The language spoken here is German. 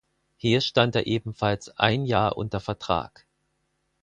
Hier stand er ebenfalls ein Jahr unter Vertrag.